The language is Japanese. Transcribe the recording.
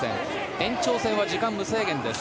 延長戦は時間無制限です。